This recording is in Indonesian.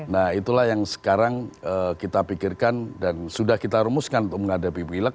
nah itulah yang sekarang kita pikirkan dan sudah kita rumuskan untuk menghadapi pilek